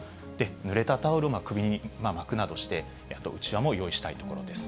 ぬれたタオルを首に巻くなどして、うちわも用意したいところです。